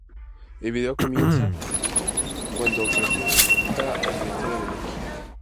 El video comienza cuando presenta la historia de Lucky.